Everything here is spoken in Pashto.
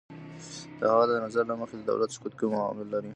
د هغه د نظر له مخې، د دولت سقوط کوم عوامل لري؟